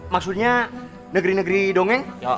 maksudnya negeri negeri dongeng